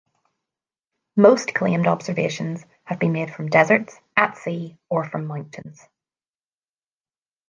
Most claimed observations have been made from deserts, at sea, or from mountains.